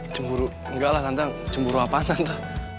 cemburu enggak lah tante cemburu apaan tante